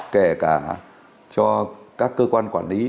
kể cả cho các cơ quan quản lý